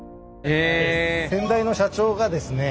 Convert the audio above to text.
先代の社長がですね